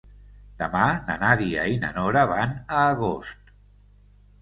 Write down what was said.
Demà na Nàdia i na Nora van a Agost.